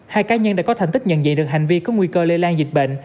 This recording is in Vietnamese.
hai cá nhân đã có thành tích nhận diện được hành vi có nguy cơ lây lan dịch bệnh